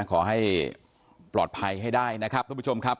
ขอให้ปลอดภัยให้ได้นะครับทุกผู้ชมครับ